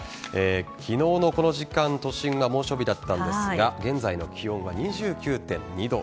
昨日のこの時間都心は猛暑日だったんですが現在の気温は２９．２度。